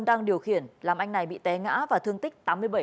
đang điều khiển làm anh này bị té ngã và thương tích tám mươi bảy